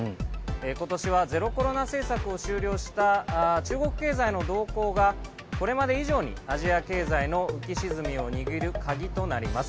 今年はゼロコロナ政策を終了した中国経済の動向がこれまで以上にアジア経済の浮き沈みを握る鍵となります。